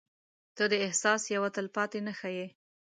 • ته د احساس یوه تلپاتې نښه یې.